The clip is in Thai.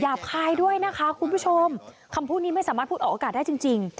คายด้วยนะคะคุณผู้ชมคำพูดนี้ไม่สามารถพูดออกอากาศได้จริง